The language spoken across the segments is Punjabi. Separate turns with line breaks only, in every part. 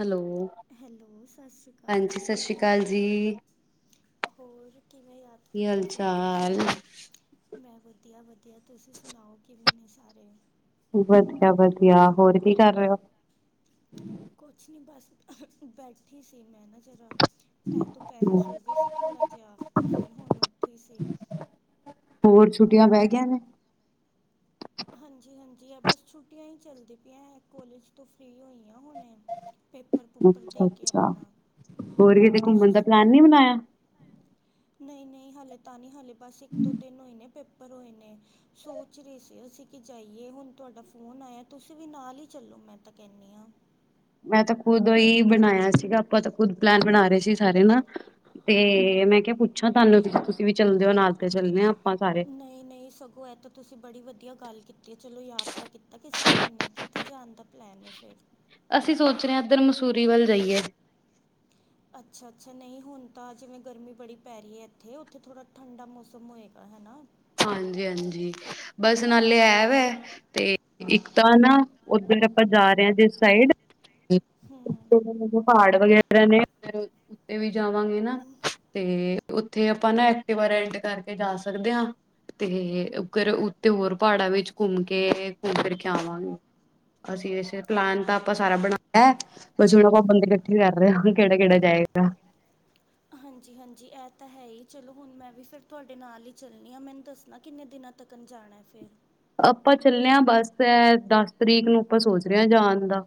ਹੈਲੋ
ਹੈਲੋ ਸਤਿ ਸ੍ਰੀ ਅਕਾਲ
ਹਾਂਜੀ
ਜੀ
ਸਤਿ ਸ਼੍ਰੀ ਅਕਾਲ ਜੀ
ਹੋਰ ਕਿਵੇਂ ਯਾਦ
ਕੀ ਹਾਲ
ਕੀਤਾ ਫਿਰ
ਚਾਲ
ਤੁਸੀਂ ਵਧੀਆ। ਤੁਸੀਂ ਸੁਣਾਓ ਕਿਵੇਂ ਨੇਂ? ਸਾਰੇ!
ਵਧੀਆ ਵਧੀਆ ਹੋਰ ਕੀ ਕਰ ਰਹੇ ਹੋ
ਕੁਛ ਨੀ ਬਸ ਬੈਠੀ ਸੀ ਮੈਂ ਨਾ ਜਰਾ ਇਹ ਦੁਪੈਹਰੇ
ਹੋ
ਸੌ ਗਈ ਸੀ ਥੋੜ੍ਹਾ ਜਿਹਾ, ਫਿਰ ਹੁਣ ਉੱਠੇ ਸੀ!
ਹੋਰ ਛੁੱਟੀਆਂ ਪੈ ਗਈਆ ਨੇ?
ਹਾਂਜੀ ਹਾਂਜੀ ਐ ਬਸ ਛੁੱਟੀਆਂ ਹੀ ਚੱਲਦੀ ਪਈਆਂ ਕੋਲੇਜ ਤੋਂ ਫ੍ਰੀ ਹੋਈ ਆਂ!
ਅੱਛਾ
ਕੇ
ਅੱਛਾ
ਆਪਣਾ
ਹੋਰ ਕਿਤੇ
ਤੁਸੀਂ
ਘੁੰਮਣ ਦਾ ਪਲੈਨ
ਸੁਣਾਓ
ਨੀ ਬਣਾਇਆ
ਨਹੀਂ ਨਹੀਂ ਹਾਲੇ ਤਾਂ ਨਹੀਂ ਹੱਲੇ ਬਸ ਇੱਕ ਦੋ ਦਿਨ ਹੋਏ ਨੇਂ ਪ! ਰ ਹੋਏ ਨੇ ਸੋਚ ਰਹੇ ਸੀ ਅਸੀਂ ਕੀ ਜਾਈਏ? ਹੁਣ ਤੁਹਾਡਾ ਫੋਨ ਆਇਆ, ਤੁਸੀਂ ਵੀ ਨਾਲ ਹੀ ਚੱਲੋ ਮੈਂ ਤਾਂ ਕਹਿੰਦੀ ਹਾਂ!
ਮੈਂ ਤਾਂ ਖੁਦ ਹੀ ਬਣਾਇਆ ਸੀਗਾ, ਆਪਾਂ ਤਾਂ ਖੁਦ ਪਲੈਨ ਬਣਾ ਰਹੇ ਸੀ ਸਾਰੇ ਨਾ, ਤੇ ਮੈਂ ਕਿਹਾ ਪੁੱਛਾਂ ਤੁਹਾਨੂੰ ਤੁਸੀਂ ਵੀ ਚੱਲਦੇ ਹੋ ਨਾਲ ਤੇ ਚੱਲਣੇ ਆ! ਸਾਰੇ
ਨਹੀਂ ਨਹੀਂ ਸਗੋਂ ਇਹ ਤਾਂ ਤੁਸੀਂ ਬੜੀ ਵਧੀਆ ਗੱਲ ਕੀਤੀ! ਚਲੋ ਯਾਦ ਤਾਂ ਕੀਤਾ ਕਿਸੇ ਬਾਨੇ, ਕਿੱਥੇ ਜਾਣ ਦਾ ਪਲੈਨ ਹੈ ਫਿਰ?
ਅਸੀਂ ਸੋਚ ਰਹੇ ਹਾਂ, ਇੱਧਰ ਮਸੂਰੀ ਵੱਲ ਜਾਈਏ!
ਅੱਛਾ ਅੱਛਾ, ਨਹੀਂ ਹੁਣ ਤਾਂ ਜਿਵੇਂ ਗਰਮੀ ਬੜੀ ਪੈ ਰਹੀ ਹੈ ਇੱਥੇ, ਉੱਥੇ ਥੋੜ੍ਹਾ ਠੰਢਾ ਮੌਸਮ ਹੋਏਗਾ ਹਨਾ?
ਹਾਂਜੀ ਹਾਂਜੀ ਬੱਸ ਨਾਲੇ ਐਵ ਹੈ, ਤੇ ਇੱਕ ਤਾਂ ਨਾ ਓਧਰ ਆਪਾਂ ਜਾ ਰਹੇ ਹਾਂ ਜਿਸ ਸਾਈਡ
ਹੂੰ
ਪਹਾੜ ਵਗੈਰਾ! ਉੱਤੇ ਵੀ ਜਾਵਾਂਗੇ ਨਾ, ਤੇ ਉੱਥੇ ਆਪਾਂ ਨਾ ਐਕਟਿਵਾ ਰੇਂਟ ਕਰਕੇ ਜਾ ਸਕਦੇ ਹਾਂ! ਤੇ ਓਧਰ ਉੱਤੇ ਹੋਰ ਪਹਾੜਾਂ ਵਿੱਚ ਘੁੰਮ ਕੇ ਘੁੰਮ ਫਿਰ ਕੇ ਆਵਾਂਗੇ! ਅਸੀਂ ਇਸੇ ਪਲਾਨ ਤਾਂ ਆਪਾਂ ਸਾਰਾ ਬਣਾਇਆ, ਅਸੀਂ ਹੁਣ ਆਪਾਂ ਬੰਦੇ ਇਕੱਠੇ ਕਰ ਰਹੇ ਹਾਂ ਕਿਹੜਾ ਕਿਹੜਾ ਜਾਏਗਾ?
ਹਾਂਜੀ ਹਾਂਜੀ ਇਹ ਤਾਂ ਹੈ ਹੀ, ਚਲੋ ਹੁਣ ਮੈਂ ਵੀ ਫਿਰ ਤੁਹਾਡੇ ਨਾਲ ਹੀ ਚੱਲਣੀ ਹਾਂ! ਮੈਨੂੰ ਦੱਸਣਾ ਕਿੰਨੇ ਦਿਨਾਂ ਤੱਕ ਜਾਣਾ ਫਿਰ?
ਆਪਾਂ ਚੱਲੇ ਆ, ਬਸ ਦਸ ਤਰੀਕ ਨੂੰ ਆਪਾਂ ਸੋਚ ਰਹੇ ਆ ਜਾਣ ਦਾ!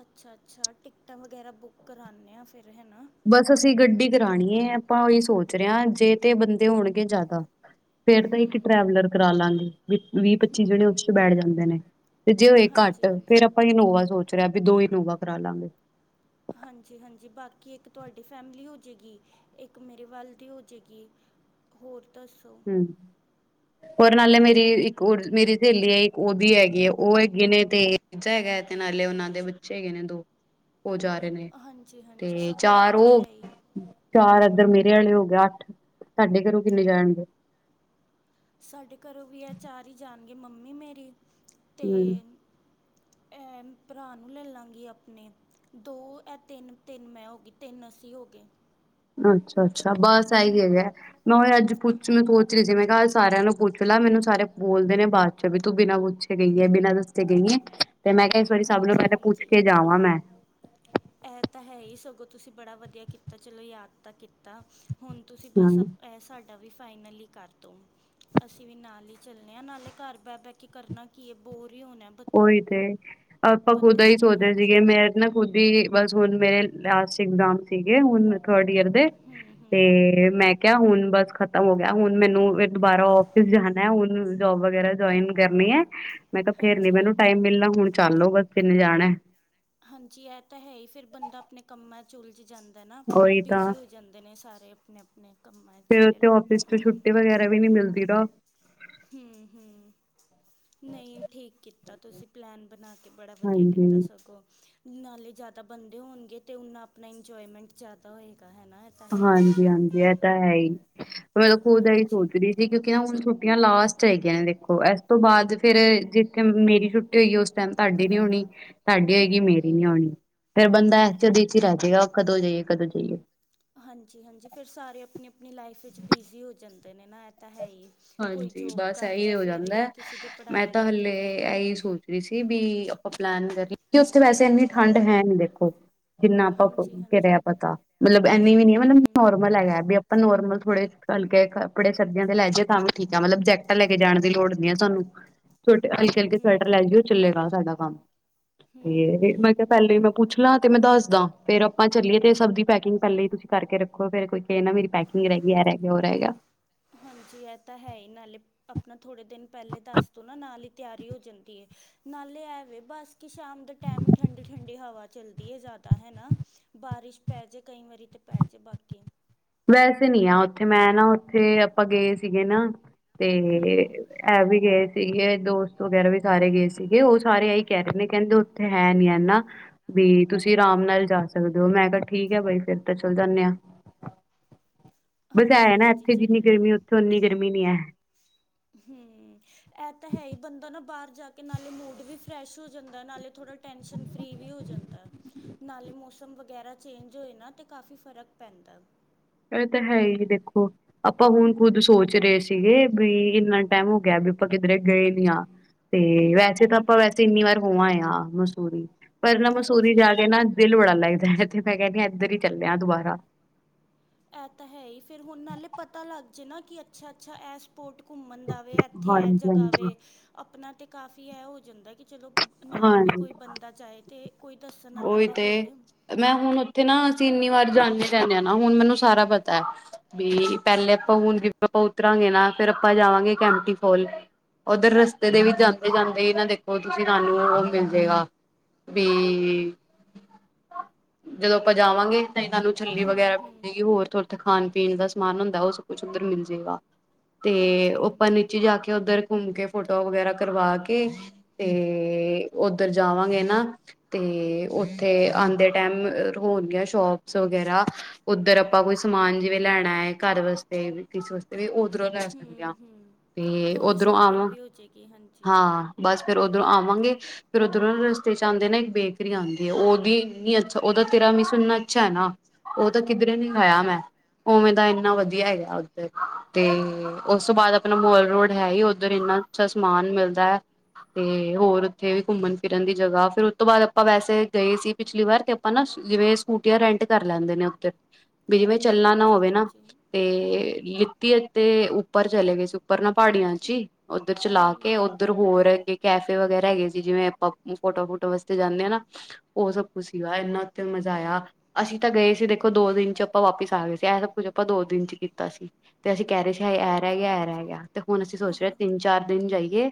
ਅੱਛਾ ਅੱਛਾ, ਟਿਕਟਾਂ ਵਗੈਰਾ ਬੁੱਕ ਕਰਾਣੇ ਹਾਂ ਫਿਰ ਹੈਨਾ?
ਬਸ ਅਸੀਂ ਗੱਡੀ ਕਰਾਣੀ ਹੈ, ਆਪਾਂ ਉਹੀ ਸੋਚ ਰਹੇ ਹਾਂ ਜੇ ਤੇ ਬੰਦੇ ਹੋਣਗੇ ਜ਼ਿਆਦਾ! ਫੇਰ ਤਾਂ ਇੱਕ
ਹੂੰ
ਟਰੈਵਲਰ ਕਰਾ ਲਾਂਗੇ ਵੀ ਵੀਹ ਪੱਚੀ ਜਣੇ
ਹੂੰ
ਉਸ
ਹੂੰ
ਚ ਬੈਠ ਜਾਂਦੇ ਨੇ, ਤੇ ਜੇ ਹੋਏ ਘੱਟ
ਹਾਂਜੀ ਹਾਂਜੀ
ਫੇਰ ਆਪਾਂ ਇਨੋਵਾ ਸੋਚ ਰਹੇ ਆ! ਦੋ [unintelligible] ਨੋਵਾ ਕਰਾ ਲਾਂਗੇ!
ਹਾਂਜੀ ਹਾਂਜੀ ਬਾਕੀ ਇੱਕ ਤੁਹਾਡੀ ਫੈਮਿਲੀ ਹੋਜੇ ਏਗੀ ਇੱਕ ਮੇਰੇ ਵੱਲ ਦੀ ਹੋਜੇ ਏਗੀ ਹੋਰ ਦੱਸੋ।
ਨਾਲ਼ੇ ਮੇਰਇਕ ਓਹ ਜਾ ਰਹੇ ਨੇ
ਹਾਂਜੀ ਹਾਂਜੀ
ਤੇ
ਸਗੋਂ ਇਹ
ਚਾਰ
ਤਾਂ
ਉਹ
ਹੈ ਹੀ
ਚਾਰ ਇੱਧਰ
ਹੂੰ
ਮੇਰੇ ਆਲੇ ਹੋ ਗਏ ਅੱਠ ਤੁਹਾਡੇ ਘਰੋਂ ਕਿੰਨੇ ਜਾਣਗੇ।
ਸਾਡੇ ਘਰੋਂ ਵੀ ਹੈ ਚਾਰ ਹੀ ਜਾਣਗੇ ਮੰਮੀ ਮੇਰੀ। ਤੇ
ਹੂੰ।
ਇਹ ਭਰਾ ਨੂੰ ਲੈ ਲਾਂਗੀ ਆਪਣੇ ਦੋ ਇਹ ਤਿੰਨ, ਤਿੰਨ ਮੈਂ ਹੋ ਗਈ ਤਿੰਨ ਅਸੀ ਹੋ ਗਏ।
ਅੱਛਾ ਅੱਛਾ ਬਸ ਇਹੀ ਹੈਗਾ ਮੈਂ ਉ ਅੱਜ ਪੁੱਛ ਮ ਸੋਚ ਰਹੀ ਸੀ ਮੈਂ ਕਿਹਾ ਸਾਰਿਆਂ ਨੂੰ ਪੁੱਛ ਲੈ ਮੈਨੂੰ ਸਾਰੇ ਬੋਲਦੇ ਨੇ ਬਾਅਦ ਚ ਵੀ ਤੂੰ ਬਿਨਾਂ ਪੁੱਛੇ। ਗਈਏ ਬਿਨਾਂ ਦੱਸੇ ਗਈਏ ਤੇ ਮੈਂ ਕਿਹਾ ਇਸ ਵਾਰੀ ਸਭ ਨੂੰ
ਹਾਂਜੀ
ਪਹਿਲਾ ਪੁੱਛ
ਹਾਂਜੀ
ਕੇ ਜਾਵਾਂ ਮੈਂ।
ਇਹ ਤਾਂ ਹੈ ਹੀ ਸਗੋਂ ਤੁਸੀਂ ਬੜਾ ਵਧੀਆ ਕੀਤਾ ਚਲੋ ਯਾਦ ਤਾਂ ਕੀਤਾ। ਹੁਣ ਤੁਸੀਂ ਬਸ
ਹੂੰ
ਇਹ ਸਾਡ, ਵੀ ਫਾਈਨਲ ਕਰਦੋ ਅਸੀਂ ਵੀ ਨਾਲ ਹੀ ਚੱਲਣੇ ਆ ਨਾਲੇ ਘਰ ਬਹਿ ਬਹਿ ਕੇ ਕਰਨਾ ਕੀ ਬਹੁਤ
ਉਹੀ ਤੇ ਆਪਾਂ ਖੁਦਾ
ਬੰਦਿਆਂ
ਹੀ
ਨੇ
ਸੋਚਦੇ
ਹਾਂਜੀ
ਸੀਗੇ ਮੈਂ ਤੇ ਨਾ ਖੁੱਦ ਹੀ ਬਸ ਹੁਣ ਮੇਰੇ ਲਾਸਟ ਇਗਜਾਮ ਸੀਗੇ ਹੁਣ ਥਰਡ ਈਅਰ ਤੇ
ਹੂੰ ਹੂੰ
ਮੈਂ ਕਿਹਾ ਹੁਣ ਬਸ ਖਤਮ ਹੋ ਗਿਆ ਹੁਣ ਮੈਨੂੰ ਦੁਬਾਰਾ ਫਿਸ ਜਾਣਾ ਹੁਣ ਜੋਬ ਵਗੈਰਾ ਜੁਆਇਨ ਕਰਨੀ ਹੈ। ਮੈਂ, ਫੇਰ ਨ
ਹਾਂਜੀ
ਮੈਨੂੰ
ਹਾਂਜੀ
ਟਾਈਮ ਮਿਲਣਾ ਹੁਣ ਚੱਲ ਲੋੋ। ਬੇ, ਨ ਜਾਣਾ।
ਹਾਂਜੀ ਇਹ ਤਾਂ ਹੈ ਹੀ ਫੇਿਰ ਬੰਦਾ ਆਪਣੇ ਕੰਮਾਂ ਚ ਉਲਝ ਜਾਂਦਾ। ਨਾ
ਉਹੀ ਤਾਂ
ਬਿਜ਼ੀ ਹੋ ਜਾਂਦੇ ਨੇ ਸਾਰੇ ਆਪਣੇ- ਆਪਣੇ ਕੰਮਾਂ ਚ
ਫੇਰ
ਫਿਰ।
ਉੱਥੇ ਆਫਿਸ ਤੋਂ ਛੁੱਟੀ ਵਗੈਰਾ ਵੀ ਨਹੀਂ ਮਿਲਦੀ ਨਾ।
ਹਮ-ਹਮ ਨਹੀਂ ਠੀਕ ਕੀਤਾ ਤੁਸੀਂ। ਪਲੈਨ ਬਣਾ ਕੇ ਬੜਾ ਵਧੀਆ ਕੀਤਾ
ਹਾਂਜੀ,
ਸਗੋਂ ਨਾਲੇਦਾ। ਆ ਬੰਦੇ ਹੋਣਗੇ ਤੇ ਉਹਨਾ ਆਪਣਾ ਇੰਜੋਏਮੈਂਟ ਜ਼ਿਆਦਾ ਹੋਏਗਾ। ਹੈ ਨਾ ਇਹ ਤਾਂ ਹੈ ਹੀ
ਹਾਂਜੀ-ਹਾਂਜੀ ਇਹ ਤਾਂ ਹੈ ਹੀ। ਮਤਲਬ ਮੈ ਖੁਦ ਹੀ
ਹਾਂਜੀ
ਸੋਚ ਰਹੀ ਸੀ ਕਿਉਂਕਿ ਨਾ ਹੁਣ ਛੁੱਟੀਆਂ ਲਾਸਟ, ਹੈਗੀਆਂ ਨੇ ਦੇਖੋ। ਇਸ ਤੋਂ ਬਾਅਦ ਫੇਰ ਜਿਸ ਮੇਰੀ ਛੁੱਟੀ ਹੋਈ ਉਸ ਟਾਈਮ ਤੁਹਾਡੀ ਨੀ ਹੋਣੀ। ਸਾਡੀ ਹੋਏਗੀ
ਹੂੰ
ਮੇਰੀ ਨੀ
ਹੂੰ
ਹੋਨੀ। ਫੇਰ ਬੰਦਾ ਐ ਚ ਦੇ ਚ ਹੀ ਰਜਾੇਗਾ। ਕਦੋਂ ਜਾਈਏ-ਕਦੋਂ ਜਾਈਏ
ਹਾਂਜੀ ਹਾਂਜੀ ਫਿਰ ਸਾਰੇ ਆਪਣੀ ਆਪਣੀ ਲਾਈਫ ਵਿੱਚ ਬਿਜ਼ੀ ਹੋ ਜਾਂਦੇ। ਨੇ ਨਾ ਇ [unintelligible]
ਹਾਂਜੀ ਬਸ ਇਹੀ ਹੋ
ਫਿਰ ਜਾਂ
ਜਾਂਦਾ
ਕਿਸੇ ਦੀ
ਮੈਂ
ਪੜ੍ਹਾਈ
ਤਾਂ
ਰਹਿ
ਹਲੇੇ
ਗਈ
ਇਹੀ ਸੋਚ ਰਹੀ ਸੀ, ਵੀ ਆਪਾਂ ਪਲੈਨ ਕਰੀਏ। ਉੱਥੇ ਵੈਸੇ ਇੰਨੀ ਠੰਢ ਹੈ ਨੀ ਦੇਖੋ। ਜਿੰਨਾ ਆਪਾਂ
ਹਾਂਜੀ
ਘਿਰਿਆ
ਹਾਂਜੀ
ਪਤਾ ਮਤਲਬ ਇਨੀ ਵੀ ਨੀ
ਹੂੰ
ਮਤਲਬ ਨੋਰਮਲ ਹੈਗਾ ਵੀ ਆਪਾਂ ਨੋਰਮਲ। ਥੋੜੇ ਖਲਕੇ ਕੱਪੜੇ ਸਬਜ਼ੀਆਂ ਤੇ ਲੈ ਜ, ਤਾਂ ਠੀਕ ਆ ਮਤਲਬ ਜੈਕਟਾਂ ਲੈ ਕੇ ਜਾਣ ਦੀ ਲੋੜ ਨੀ ਆ ਤੁਹਾਨੂੰ। ਛੋਟ ਹਲਕੇ ਹਲਕੇ ਸਵੈਟਰ
ਹੂੰ-ਹੂੰ,
ਲੈ ਜਓ ਚੱਲੇਗਾ ਸਾਡਾ। ਹਾ।
ਹੂੰ
ਤੇ ਮੈਂ ਕਿਹਾ ਪਹਿਲੇਾਂ ਹੀ ਮੈਂ ਪੁੱਛ, ਮੈਂ ਦੱਸਦਾ। ਫੇਰ ਆਪਾਂ ਚੱਲੀਏ ਸਭ ਦੀ ਪੈਕਿੰਗ ਤੁਸੀਂ ਕਰਕੇ ਰੱਖੋ ਫੇਰ ਕੋ ਮੇਰੀ ਪੈਕਿੰਗ ਰਹਿ ਗਈ ਐਹ ਰਹ ਗਆ ਔਹ ਰਹ ਗਆ।
ਹਾਂਜੀ ਇਹ ਤਾਂ ਹੈ ਹੀ। ਨਾਲੇ ਆਪਣਾ ਥੋੜੇ ਦਿਨ ਪਹਿਲੇ ਦੱਸ ਦੋ ਨਾ। ਨਾਲ ਹੀ ਤਿਆਰੀ ਹੋ ਜਾਂਦੀ ਹੈ। ਨਾਲੇ ਐਵੇ ਬੇਸਕ ਸ਼ਾਮ ਦੇ ਟਾਈਮ ਹੀ ਠੰਡੀ ਠੰਢਡੀ ਹਵਾ ਚੱਲਦੀ ਹੈ। ਜ਼ਿਆਦਾ ਹੈਨਾ ਬਾਰਿਸ਼ ਪੈ ਜੇ ਕਈ ਵਾਰੀ ਤੇ ਪੈ ਜੇ ਬਾਕੀ,
ਵੈਸੇ ਨੀ ਆ ਉੱਥੇ ਮੈਂ ਨਾ ਉੱਥੇ ਆਪਾਂ ਗਏ ਸੀ ਗੇ ਨਾ, ਤੇ
ਹੂੰ
ਇਹ ਵੀ ਗਏ ਸੀ। ਸੀਗੇ ਦੋਸਤ ਵਗੈਰਾ ਵੀ ਸਾਰੇ ਗਏ ਸੀਗੇ। ਉਹ ਸਾਰੇ ਇਹੀ ਕਹਿ ਰਹੇ ਨੇ। ਕਹਿੰਦੇ ਉੱਥੇ ਹੈ ਨੀ। ਹੈ ਨਾ ਵੀ ਤੁਸੀਂ ਆਰਾਮ ਨਾਲ ਜਾ ਸਕਦੇ ਹੋ। ਮੈਂ ਕਿਹਾ ਠੀਕ ਹੈ ਬਾਈ ਫਿਰ ਤਾਂ ਚੱਲ ਜਾਂਦੇ ਆ। ਹ [inaudible]
ਹਾਂਜੀ ਹਾਂਜੀ ਚੱਲਣੇ ਆ।
ਉੱਥੇ ਓਨੀ ਗਰਮੀ ਨੀ ਹੈ
ਹਮ ਇਹ ਤਾਂ ਹੈ ਹੀ ਬੰਦਾ ਨਾ ਬਾਹਰ, ਜਾ ਕੇ ਨਾਲੇ ਮੂਡ ਵੀ ਫਰੈਸ਼ ਹੋ ਜਾਂਦਾ। ਨਾਲੇ ਥੋੜਾ ਟੈਸ਼ਨ ਫ੍ਰੀ ਵੀ ਹੋ ਜਾਂਦਾ। ਨਾਲੇ ਮੌਸਮ ਵਗੈਰਾ ਚੇਂਜ ਹੋਏ ਨਾ ਤੇ ਕਾਫੀ ਫਰਕ ਪੈਂਦਾ।
ਇਹ ਤਾਂ ਹੈ ਹੀ। ਦੇਖੋ ਆਪਾਂ ਹੁਣ ਖੁੱਦ ਸੋਚ ਰਹੇ ਸੀਗੇ ਵੀ ਇੰਨਾ ਟਾਈਮ ਹੋ ਗਿਆ ਵੀ ਆਪਾਂ ਕਿਧਰੇ ਗਏ ਨੀ ਹ। ਤੇ
ਹਮ
ਵੈਸੇ ਤਾਂ ਆਪਾਂ
ਹਮ
ਵੈਸੇ ਇੰਨੀ ਵਾਰ ਹੋਵਾਂ ਆ। ਮਸੂਰੀ, ਪਰ ਨਾ ਮਸੂਰੀ
ਹਾਂਜੀ
ਜਾ ਕੇ
ਹਾਂਜੀ
ਨਾ ਦਿਲ ਬੜਾ ਲੱਗਦਾ ਹੈ। ਮੈਂ ਕਹਿੰਦੀ ਹ ਇੱਧਰ ਹੀ ਚੱਲਿਆ ਦੁਬਾਰਾ।
ਇਹ ਤਾਂ ਹੈ ਹੀ, ਫੇਰ ਹੁਣ ਨਾਲੇ ਪਤਾ ਲੱਗ ਜਾਏ ਨਾ ਕਿ ਅੱਛਾ-ਅੱਛਾ ਐਸ ਸਪੋਰਟ ਘੁੰਮਣ ਦਾ ਵੇ, ਇੱਥੇ ਹੈ
ਹਾਂਜੀ
ਜਗ੍ਹਾ
ਹਾਂਜੀ
ਵੇ। ਆਪਣਾ ਅਤੇ ਕਾਫ਼ੀ ਇਹ ਹੋ ਜਾਂਦਾ ਹੈ, ਕਿ ਚਲੋ ਨਾਲ ਵੀ
ਹਾਂਜੀ
ਕੋਈ ਬੰਦਾ ਜਾਏ, ਤੇ ਕੋਈ ਦੱਸਣ ਆਲਾ
ਉਹੀ
ਤਾਂ
ਤੇ
ਹੋਏ।
ਮੈਂ ਹੁਣ ਉੱਥੇ ਨਾ ਅਸੀਂ ਇੰਨੀ ਵਾਰ ਜਾਂਦੇ ਰਹਦੇ ਹਾਂ ਨਾ। ਹੁਣ ਮੈਨੂੰ ਸਾਰਾ ਪਤਾ ਹੈ ਵੀ ਪਹਿਲੇਾਂ ਆਪਾਂ ਹੁਣ [unintelligible] ਉਤਰਾਂਗੇ ਨਾ, ਫੇਰ ਆਪਾਂ ਜਾਵਾਂਗੇ ਕੈਂਟੀ ਫੋਲ। ਉੱਧਰ ਰਸਤੇ ਦੇ ਵੀ
ਹੂੰ
ਜਾਂਦੇ-ਜਾਂਦੇ ਇਹਨਾਂ ਦੇ ਉਹ ਤੁਸੀਂ ਸਾਨੂੰ ਉਹ ਮਿਲ ਜੇਗਾ ਵੀ, ਜਦੋਂ ਆਪਾਂ ਜਾਵਾਂਗੇ। ਤੇ ਤੁਹਾਨੂੰ ਛੱਲੀ
ਹੂੰ
ਵਗੈਰਾ
ਹੂੰ
ਮਿਲੇਗੀ। ਹੋਰ ਤੁਰਥ ਖਾਣ ਪੀਣ ਦਾ ਸਮਾਨ ਹੁੰਦਾ, ਉਹ ਸਭ ਕੁੱਛ ਉੱਧਰ ਮਿਲ ਜੇਗਾ। ਤੇ
ਹਾਂਜੀ
ਉੱਪਰ
ਹਾਂਜੀ
ਨੀਚੇ ਜਾ ਕੇ, ਉੱਧਰ ਘੁੰਮ ਕੇ ਫੋਟੋ ਵਗੈਰਾ ਕਰਵਾ ਕੇ, ਤੇ ਤੇ ਉੱਧਰ ਜਾਵਾਂਗੇ ਨਾ ਤੇ, ਉੱਥੇ ਆਉਂਦੇ ਟਾਈਮ ਹੋਣਗ ਸ਼ੋਪਸ ਵਗੈਰਾ, ਉੱਧਰ ਆਪਾਂ ਕੋਈ ਸਮਾਨ ਜਿਵੇਂ ਲੈਣਾ ਹੈ। ਘਰ ਵਾਸਤੇ ਵੀ, ਕਿਸੇ ਵਾਸਤੇ ਵੀ ਓ ਉਧਰੋਂ ਲੈ
ਹੂੰ
ਸਕਦੇ ਹਾਂ,
ਹੂੰ
ਤੇ
ਥੋੜ੍ਹੀ
ਉੱਧਰੋਂ
ਸ਼ੋਪਿੰਗ
ਆਵਾਂ,
ਵੀ ਹੋ ਜਾਏਗੀ ਹਾਂਜੀ
ਹਾਂ ਬਸ ਫਿਰ ਉ ਉਧਰੋਂ ਆਵਾਂਗੇ, ਫਿਰ ਉੱਧਰੋਂ ਰਸਤੇ ਚ ਆਉਂਦੇ ਨਾ ਇੱਕ ਬੇਕਰੀ ਆਉਂਦੀ ਹੈ। ਉਹਦੀ ਇਨੀ ਅੱਛਾ ਉਹਦਾ ਤੇਰਾ ਮਿਸ ਇੰਨਾ ਅੱਛਾ ਹੈ ਨਾ, ਉਹ ਤਾਂ ਕਿਧਰੇ ਨੀ ਆਾਇਆ ਮੈਂ, ਉਵੇਂ ਦਾ ਇੰਨਾ ਵਧੀਆ ਹੈਗਾ ਹੈ, ਉੱਧਰ। ਤੇ ਉਸ ਤੋਂ ਬਾਅਦ ਆਪਣਾ ਮੋਲ ਰੋਡ ਹੈ ਹੀ। ਉੱਧਰ ਇੰਨਾ ਅੱਛਾ ਸਮਾਨ ਮਿਲਦਾ ਹੈ। ਤੇ ਹੋਰ ਉੱਥੇ ਵੀ ਘੁੰਮਣ ਫਿਰਨ ਦੀ ਜਗਾ, ਫਿਰ ਉਸਤ ਤੋਂ ਬਾਅਦ ਆਪਾਂ ਵੈਸੇ ਗਏ ਸੀ, ਪਿਛਲੀ ਵਾਰ। ਤੇ ਆਪਾਂ ਨਾ ਜਿਵੇਂ ਸਕੂਟੀਆਂ ਰੈਂਟ ਕਰ ਲੈਂਦੇ ਨੇ ਉੱਥੇ। ਵੀ ਜਿਵੇਂ ਚੱਲਣਾ ਨਾ
ਹਾਂਜੀ
ਹੋਵੇ ਨਾ,
ਹਾਂਜੀ
ਤੇ
ਹੂੰ
ਲਿੱਤੀ ਅਤੇ ੳਪ ਉੱਪਰ ਚਲੇ ਗਏ ਸੀ। ਉੱਪਰ ਨਾ ਪਹਾੜੀਆਂ ਚ ਹੀ ਉੱਧਰ ਚਲਾ ਕੇ,
ਹੂੰ
ਉੱਧਰ ਹੋਰ ਅੱਗੇ ਕੈਫੇ ਵਗੈਰਾ ਹੈਗੇ ਸੀ। ਜਿਵੇਂ ਆਪਾਂ ਫੋਟੋ ਫੁਟੋ ਵਾਸਤੇ ਜਾਂਦੇ ਹਾਂ ਨਾ, ਉਹ ਸਭ ਕੁੱਛ ਸੀਗਾ। ਇੰਨਾ ਉੱਥੇ ਮਜ਼ਾ ਆਇਆ। ਅਸੀਂ ਤਾਂ ਗਏ ਸੀ ਦੇਖੋ ਦੋ ਦਿਨ ਚ ਆਪਾਂ ਵਾਪਿਸ ਆ ਗਏ ਸੀ। ਇਹ ਸਭ ਕੁਛ ਆਪਾਂ ਦੋ ਦਿਨ ਚ ਕੀਤਾ ਸੀ ਤੇ ਅਸੀਂ ਕਹਿ ਰਹੇ ਸੀ, ਹਏ ਇਹ ਰਹਿ
ਹਾਂਜੀ
ਗਿਆ-ਇਹ
ਹਾਂਜੀ
ਰਹਿ ਗਿਆ। ਤੇ ਹੁਣ ਅਸੀਂ ਸੋਚ ਰਹੇ ਤਿੰਨ ਚਾਰ ਦਿਨ ਜਾਈਏ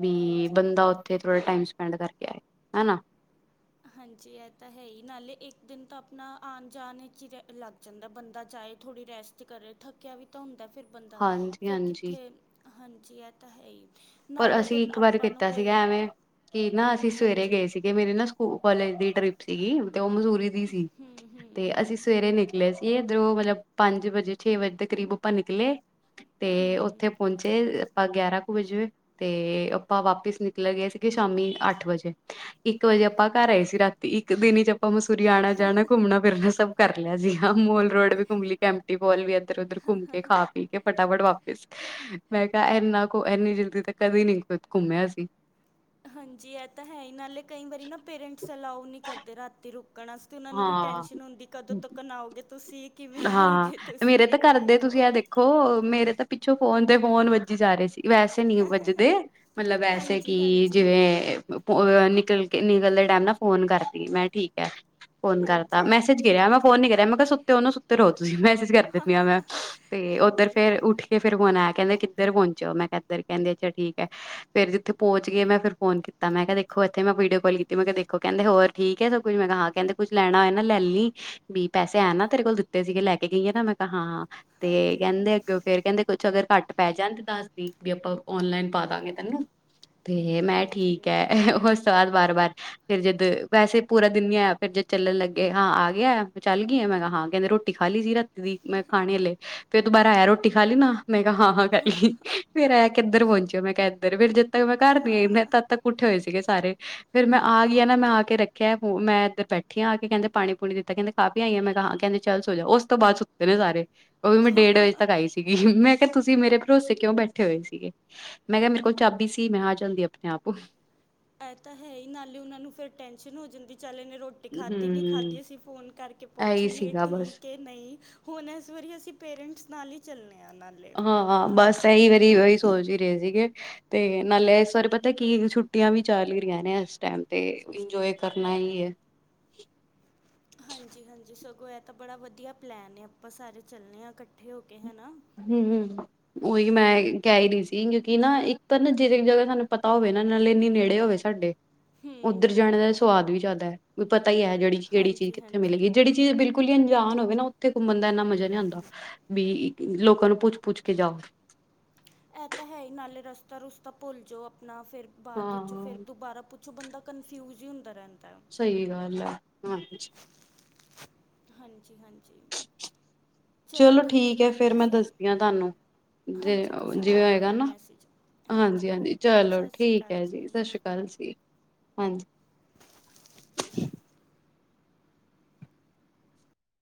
ਬੀ
ਹਾਂਜੀ
ਬੰਦਾ, ਉੱਥੇ ਥੋੜਾ ਟਾਈਮਸ ਪਿੰਡ ਕਰਕੇ ਆਏ, ਹਨਾ।
ਹਾਂਜੀ। ਇਹ ਤਾਂ ਹੈ ਹੀ ਨਾਲੇ ਇੱਕ ਦਿਨ ਤਾਂ ਆਪਣਾ ਆਉਣ ਜਾਣ ਵਿੱਚ ਹੀ ਜ-ਲੱਗ ਜਾਂਦਾ ਹੈ। ਬੰਦਾ ਜਾਏ, ਥੋੜੀ ਰੈਸਟ ਕਰੇ, ਥੱਕਿਆ ਵੀ ਤਾਂ ਹੁੰਦਾ ਹੈ। ਫਿਰ ਬੰਦਾ,
ਹਾਂਜੀ
ਫਿਰ
ਹਾਂਜੀ
ਕਿੱਥੇ, ਹਾਂਜੀ, ਇਹ ਤਾਂ ਹੈ ਹੀ।
ਪਰ
ਨਾਲੇ
ਅਸੀਂ
ਅਗਰ
ਇੱਕ ਵਾਰ
ਆਪਾਂ ਨੂੰ
ਕੀਤਾ
ਕੋਈ
ਸੀਗਾ ਐਵੇਂ, ਕਿ ਨਾ ਅਸੀਂ ਸਵੇਰੇ
ਹਾਂਜੀ
ਗਏ ਸੀਗੇ। ਮੇਰੇ ਨਾ ਸਕੂਲ ਕਾਲਜ ਦੀ ਟ੍ਰਿਪ ਸੀਗੀ ਤੇ ਉਹ ਮਜ਼ੂਰੀ ਦੀ ਸੀ,
ਹੂੰ ਹੂੰ
ਤੇ ਅਸੀਂ
ਹੂੰ
ਸਵੇਰੇ ਨਿਕਲੇ ਸੀ। ਇਹ ਇੱਧਰੋਂ, ਮਤਲਬ ਪੰਜ ਵਜੇ, ਛੇ ਵਜੇ ਦੇ ਕਰੀਬ ਆਪਾਂ ਨਿਕਲੇ ਤੇ
ਹੂੰ
ਉੱਥੇ ਪਹੁੰਚੇ ਅ ਆਪਾਂ ਗਿਆਰਾਂ ਕੁ ਵਜੇ ਤੇ ਆਪਾਂ ਵਾਪਿਸ ਨਿਕਲੇ ਗਏ ਸੀਗੇ, ਸ਼ਾਮੀ ਅੱਠ ਵਜੇ। ਇੱਕ ਵਜੇ ਆਪਾਂ ਘਰ ਆਏ ਸੀ ਰਾਤੀ ਇੱਕ ਦਿਨ ਚ। ਆਪਾਂ ਮਸੂਰੀ ਆਣਾ-ਜਾਣਾ, ਘੁੰਮਣਾ-ਫਿਰਨਾ ਸਭ ਕਰ ਲਿਆ ਜੀ। ਮੋਲ ਰੋਡ ਵੀ ਘੁੰਮਲੀ, ਕੈਂਮਟੀ ਫੋਲ ਵੀ, ਇੱਧਰ ਉੱਧਰ ਘੁੰਮ ਕੇ, ਖਾ ਪੀ ਕੇ ਫਟਾਫਟ ਵਾਪ ਮੈਂ ਕਿਹਾ ਇੰਨਾ ਕੋ ਇੰਨੀ ਜਲਦੀ ਤੱਕ ਕਦੇ ਨਹੀਂ ਘੁੰਮਿਆ ਸੀ
ਹਾਂਜੀ ਇਹ ਤਾਂ ਹੈ ਹੀ ਨਾਲੇ ਕਈ ਵਾਰੀ ਨਾ ਪੇਰੈਂਟਸ ਅਲਾਓ ਨੀ ਕਰਦੇ ਰਾਤੀ ਰੁਕ ਕਣ ਵਾਸਤੇ ਉਹਨਾ ਨੂੰ ਵੀ
ਹਾਂ
ਟੈਨਸ਼ਨ ਹੁੰਦੀ ਕਦੋਂ ਤੱਕਣ ਆਓਗੇ ਤੁਸੀਂ ਕਿਵੇਂ ਆਓਗੇ
ਹਾਂ ਮੇਰੇ
ਤੁਸੀਂ
ਤਾਂ ਘਰਦੇ
ਠੀਕ
ਤੁਸੀਂ
ਹੋ
ਆ ਦੇਖੋ ਮੇਰੇ ਤਾਂ ਪਿੱਛੋਂ ਫੋਨ ਤੇ ਫੋਨ ਵੱਜੀ ਜਾ ਰਹੇ ਸੀ ਵੈਸੇ ਨਹੀਂ ਵੱਜਦੇ ਮਤਲਬ ਵੈਸੇ ਕਿ
ਹਾਂਜੀ ਹਾਂਜੀ
ਜਿਵੇਂਹ ਕਿ ਪਹੁੰ ਨਿਕਲ ਕੇ ਨਿਕਲਦੇ ਟਾਈਮ ਨਾਲ ਫੋਨ ਕਰਦੀ ਮੈਂ ਠੀਕ ਹੈ ਫੋਨ ਕਰਤਾ
ਹਾਂਜੀ
ਮੈਸੇਜ
ਹਾਂਜੀ
ਗਿਐ ਮੈਂ ਫੋਨ ਨਹੀਂ ਕਰਿਆ ਮੈਂ ਕਿਹਾ ਸੁੱਤੇ ਉਹਨੂੰ ਸੁ ਤੇ ਰੋਜ਼ ਮੈਸੇਜ ਕਰਦੀ ਪਈ ਆ ਮੈਂ ਤੇ ਉੱਧਰ
ਹਾਂਜੀ
ਫੇਰ ਉੱਠ ਕੇ ਫਿਰ ਫ਼ੋਨ ਆਯੈ ਕਹਿੰਦੇ ਕਿੱਧਰ ਪਹੁੰਚਿਓ ਮੈਂ ਕਿਹਾ ਇਧਰ ਕਹਿੰਦੇ ਅੱਛਾ ਠੀਕ ਹੈ ਫੇਰ ਜਿੱਥੇ ਪਹੁੰਚ ਗਏ ਮੈਂ ਫੋਨ ਕੀਤਾ ਮੈਂ ਕਿਹਾ ਦੇਖੋ ਇੱਥੇ ਮੈਂ ਵੀਡੀਓ ਕਾਲ ਕੀਤੀ ਮੈਂ ਕਿਹਾ ਦੇਖੋ ਕਹਿੰਦੇ ਹੋਰ ਠੀਕ ਹੈ ਸਭ ਕੁੱਛ ਮੈਂ ਕਿਹਾ ਕਹਿੰਦੇ ਕੁੱਛ ਲੈਣਾ ਹੋਏ ਨਾ ਲੈ ਲੀ ਵੀ ਪੈਸੇ ਹੈ ਨਾ ਤੇਰੇ ਕੋਲ ਦਿਤੇ ਸੀਗੇ ਲੈ ਕੇ ਗਈਏ ਨਾ ਮੈਂ ਕਿਹਾ ਹਾਂ ਤੇ
ਹਾਂਜੀ
ਕਹਿੰਦੇ
ਹਾਂਜੀ
ਅੱਗੇ ਫੇਰ ਕਹਿੰਦੇ ਕੁੱਛ ਅਗਰ ਘੱਟ ਪੈ ਜਾਣ ਤੇ ਦੱਸਦੀ ਵੀ ਆਪਾਂ ਔਨਲਾਈਨ ਪਾ ਦਾਂਗੇ ਤੈਨੂੰ ਤੇ ਮੈਂ
ਹਾਂਜੀ
ਠੀਕ ਹੈ ਉਸਤਾਦ ਵਾਰ ਵਾਰ ਫੇਰ ਜਦ ਵੈਸੇ ਪੂਰਾ ਦਿਨ ਨਹੀਂ ਆਇਆ ਫਿਰ ਜਦ ਚੱਲਣ ਲੱਗੇ ਹਾਂ ਆ ਗਿਆ ਚੱਲ ਗਈ ਮੈਂ ਕਿਹਾ ਹਾਂ ਕਹਿੰਦੇ ਰੋਟੀ ਖਾਲੀ ਜ਼ੀਰਾ ਦੀ ਮੈਂ ਖਾਣੀ ਹਾਲੇ ਫਿਰ ਦੁਬਾਰਾ ਆਇਆ ਰੋਟੀ ਖਾਲੀ ਨਾ ਮੈਂ ਕਿਹਾ ਹਾਂ ਹਾਂ ਖਾਲੀ ਫੇਰ ਆਇਆ ਕਿੱਧਰ ਪਹੁੰਚੇ ਹੋ ਮੈਂ ਕਿੱਹਾ ਇਧਰ ਫਿਰ ਜ ਦ ਤਕ ਮੈਂ ਘਰ ਨਹੀਂ ਆਈ ਨ ਤਦ ਤੱਕੱ ਉਠੇ ਹੋਏ ਸੀਗੇ ਸਾਰੇ ਫੇਰ ਮੈਂ ਆ ਗਈ ਨਾ ਮੈਂ ਆ ਕੇ ਰੱਖਿਆ ਫੋ ਮੈਂ ਇੱਧਰ ਬੈਠੀ ਆ ਕੇ ਕਹਿੰਦੇ ਪਾਣੀ ਪੂਣੀ ਦਿੱਤਾ ਕਹਿੰਦੇ ਖਾਂ ਪੀ ਆਈ ਐ ਮੈਂ ਕਿਹਾ ਹਾਂ ਚੱਲ ਸੋ ਜਾ ਉਸ ਤੋਂ ਬਾਅਦ ਸੁੱਤੇ ਨੇ ਸਾਰੇ ਉਹ ਵੀ ਮੈਂ ਡੇਢ ਵਜੇ ਤੱਕ ਆਈ ਸੀਗੀ ਮੈਂ ਮੈਂ ਕਿਹਾ ਤੁਸੀਂ ਮੇਰੇ ਭਰੋਸੇ ਕਿਉਂ ਬੈਠੇ ਹੋਏ ਸੀਗੇ ਮੈਂ ਕਿਹਾ ਮੇਰੇ ਕੋਲ ਚਾਬੀ ਸੀ ਮੈਂ ਆ ਜਾਂਦੀ ਆਪਣੇ ਆਪ
ਇਹ ਤਾਂ ਹੈ ਹੀ ਨਾਲੇ ਉਹਨਾ ਨੂੰ ਫਿਰ ਟੈਨਸ਼ਨ ਹੋ ਜਾਂਦੀ ਚਲ ਇਨੇ ਰੋਟੀ ਖਾਧੀ ਨੀ ਖਾਧੀ ਅਸੀਂ ਫੋਨ ਕਰਕੇ ਪੁੱਛ
ਇਹੀ
ਲਈਏ
ਸੀਗਾ ਬਸ
ਠੀਕ ਹੈ ਨਹੀਂ ਹੁਣ ਇਸ ਵਾਰੀ ਅਸੀਂ ਪੇਰੈਂਟਸ ਨਾਲ ਈ ਚੱਲਣੇ
ਹਾਂ ਹਾਂ ਬੱਸ ਕਈ ਵਾਰੀ ਉਹੀ ਸੋਚ ਹੀ ਰਹੇ ਸੀਗੇ ਤੇ ਨਾਲੇ ਇਸ ਵਾਰੇ ਪਤਾ ਕੀ ਛੁੱਟੀਆਂ ਵੀ ਚੱਲ ਹੀ ਰਹੀਆਂ ਨੇ ਇਸ ਟਾਈਮ ਤੇ ਇੰਜੋਏ ਕਰਨਾ ਹੀ ਹੈ
ਹਾਂਜੀ ਹਾਂਜੀ ਸਗੋਂ ਇਹ ਤਾਂ ਬੜਾ ਵਧੀਆ ਪਲੈਨ ਏ ਆਪਾਂ ਸਾਰੇ ਚੱਲਨੇ ਹਾਂ ਇਕੱਠੇ ਹੋ ਕੇ ਹੈਨਾ
ਹਮ ਉਹੀ ਮੈਂ ਕਹਿ ਹੀ ਨਹੀਂ ਸੀ, ਕਿਉਂਕਿ ਨਾ ਇੱਕ ਤਾਂ ਨਾ ਜਿਹ ਜਗ੍ਹਾ ਸਾਨੂੰ ਪਤਾ ਹੋਵੇ, ਨਾ ਨਾਲ ਇੰਨੀ ਨੇੜੇ ਹੋਵੇ ਸਾਡੇ
ਹੂੰ
ਉੱਧਰ ਜਾਣੇ ਦਾ
ਹੂੰ
ਸਵਾਦ ਵੀ ਜ਼ਿਆਦਾ ਹੈ ਵੀ ਪਤਾ ਹੀ ਹੈ। ਜਿਹੜੀ ਕਿਹੜੀ ਚੀਜ਼
ਹਾਂਜੀ
ਕਿੱਥੇ
ਹਾਂਜੀ
ਮਿਲੇਗੀ ਜਿਹੜੀ ਚੀਜ਼ ਬਿਲਕੁਲ ਹੀ ਅੰਜਾਨ ਹੋਵੇ।, ਮੈਨੂੰ ਉੱਥੇ ਘੁੰਮਣ ਦਾ ਇਨਾ ਮਜ਼ਾ ਨਹੀਂ ਆਉਂਦਾ ਵੀ। ਲੋਕਾਂ ਨੂੰ ਪੁੱਛ- ਪੁੱਛ ਕੇ ਜਾਓ,
ਇਹ ਤਾਂ ਹੈ ਹੀ ਨਾਲੇ ਰਸਤਾ ਰੁਸਤਾ ਭੁੱਲ ਜਾਓ, ਆਪਣਾ ਫੇਰ ਬਾਅਦ ਵਿੱਚ ਫ਼ਿਰ
ਹਾਂ
ਦੁਬਾਰਾ ਪੁੱਛ ਪਿੱਛੋਂ ਬੰਦਾ ਕਨਫਿਊਜ ਹੀ ਹੁੰਦਾ ਰਹਿਦਾ।
ਸਹੀ ਗੱਲ ਹੈ।
ਹਾਂਜੀ -ਹਾਂਜੀ
ਚਲੋ ਠੀਕ ਹੈ ਫੇਰ ਮੈਂ ਦੱਸਦੀ ਹਾਂ, ਤੁਹਾਨੂੰ ਜੇ
ਹਾਂਜੀ ਤੁਸੀਂ
ਜਿਵੇੰ
ਕਰ
ਹੋਵੇਗਾ,
ਦੇਣਾ
ਨਾ
ਮੈਸੇਜ
ਹਾਂਜੀ -ਹਾਂਜੀ
ਓਕੇ
ਚਲੋ
ਸਤਿ ਸ਼੍ਰੀ
ਠੀਕ
ਅਕਾਲ
ਹੈ ਜੀ ਸਤਿ ਸ੍ਰੀ ਅਕਾਲ ਜੀ, ਹਾਂਜੀ।